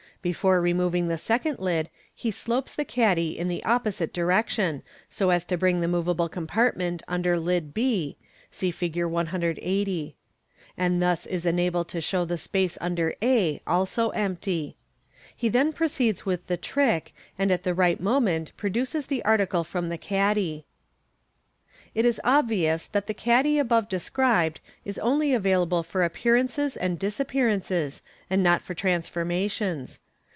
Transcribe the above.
Before re moving the second lid, he slopes the caddy in the opposite direction, so as to bring the moveable compartment under lid b (see Fig. i8o): and thus is enabled to show the space under a also empty. He then Fig. 179. Fig. proceeds with the trick, and at the right moment produces the articl*r from the caddy. It is obvious that the caddy above described is only available for appearances and disappear ances, and not for transformations.